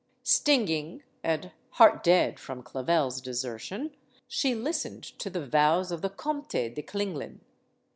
Stinging and heart dead from Clavel's desertion, she listened to the vows of the Comte de Klinglin.